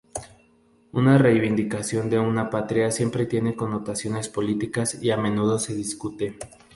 Una reivindicación de una patria siempre tiene connotaciones políticas y a menudo se discute.